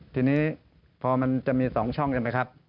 ทีนี้พอมันจะมี๒ช่องใช่ไหมครับ